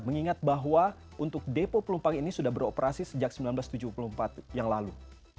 mengingat bahwa untuk depo pelumpang ini sudah beroperasi sejak seribu sembilan ratus tujuh puluh empat yang lalu